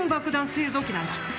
製造機なんだ。